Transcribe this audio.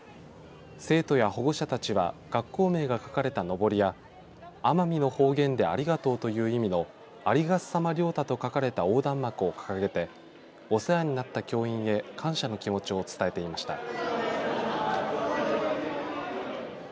生徒や保護者たちは学校名が書かれたのぼりや奄美の方言でありがとうという意味のありがっさまりょうたと書かれた横断幕を掲げてお世話になった教員へ感謝の気持ちを伝えていました。